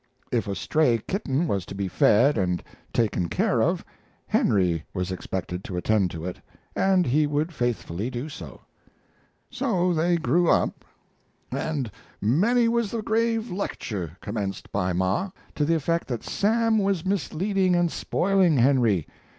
If a stray kitten was to be fed and taken care of Henry was expected to attend to it, and he would faithfully do so. So they grew up, and many was the grave lecture commenced by ma, to the effect that Sam was misleading and spoiling Henry.